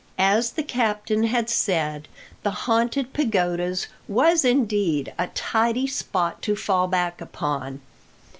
As the captain had said, the Haunted Pagodas was indeed "a tidy spot to fall back upon."